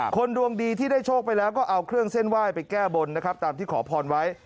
คนดวงดีที่ได้โชคไปแล้วก็เอาเครื่องเส้นไหว้ไปแก้บนนะครับตามที่ขอพรไว้